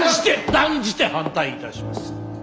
断じて反対いたします！